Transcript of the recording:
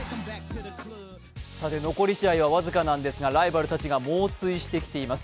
残り試合は僅かなんですがライバルたちが猛追しています。